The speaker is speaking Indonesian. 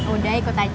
udah ikut aja